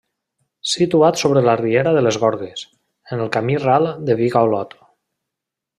Situat sobre la riera de les Gorgues, en el camí ral de Vic a Olot.